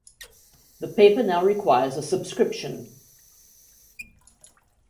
The paper now requires a subscription.